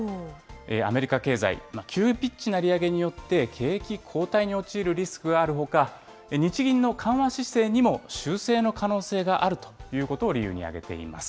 アメリカ経済、急ピッチな利上げによって、景気後退に陥るリスクがあるほか、日銀の緩和姿勢にも修正の可能性があるということを理由に挙げています。